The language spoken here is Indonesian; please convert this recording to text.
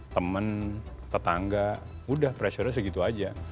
temen tetangga udah pressurenya segitu aja